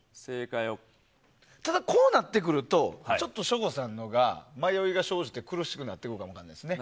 こうなってくると省吾さんのほうが迷いが生じて苦しくなってくるかもしれませんね。